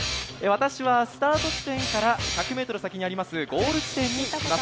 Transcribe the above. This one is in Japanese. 私はスタート地点から１００ｍ先にあります